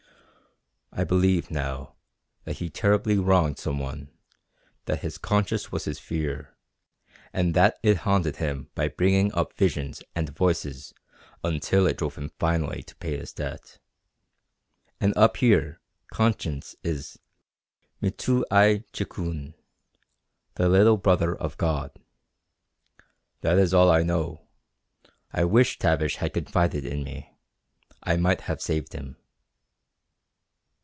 "I believe, now, that he terribly wronged some one, that his conscience was his fear, and that it haunted him by bringing up visions and voices until it drove him finally to pay his debt. And up here conscience is mitoo aye chikoon the Little Brother of God. That is all I know. I wish Tavish had confided in me, I might have saved him."